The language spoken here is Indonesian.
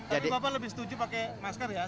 tapi bapak lebih setuju pakai masker ya